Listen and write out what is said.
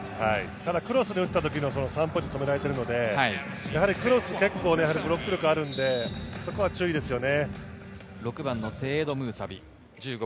ただクロスを打った時のポイントを止められてるのでクロス、結構ブロック力はあるので、そこは注意ですよね。